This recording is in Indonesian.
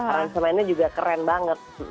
aransemennya juga keren banget